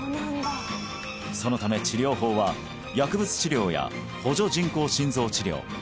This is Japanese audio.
そのため治療法は薬物治療や補助人工心臓治療